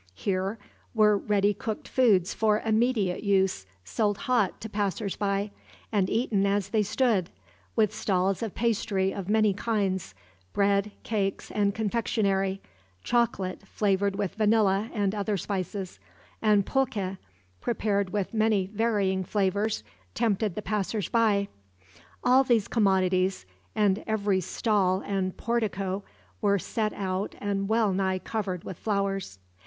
Here were ready cooked foods for immediate use sold hot to passers by, and eaten as they stood with stalls of pastry of many kinds, bread, cakes, and confectionery; chocolate, flavored with vanilla and other spices, and pulque, prepared with many varying flavors, tempted the passers by. All these commodities, and every stall and portico, were set out and well nigh covered with flowers.